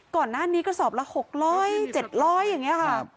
ก่อนหน้านี้กระสอบละ๖๐๐๗๐๐อย่างนี้ค่ะ